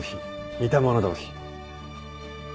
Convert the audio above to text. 似た者同士。